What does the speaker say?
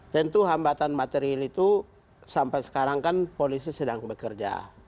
tentu hambatan material itu sampai sekarang kan polisi sedang bekerja